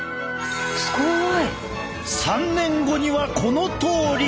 すごい！３年後にはこのとおり！